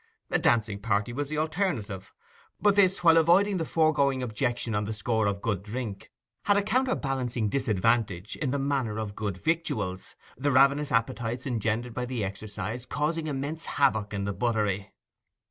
A dancing party was the alternative; but this, while avoiding the foregoing objection on the score of good drink, had a counterbalancing disadvantage in the matter of good victuals, the ravenous appetites engendered by the exercise causing immense havoc in the buttery.